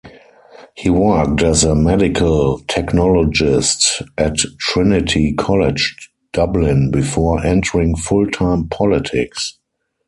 He worked as a Medical Technologist at Trinity College, Dublin before entering full-time politics.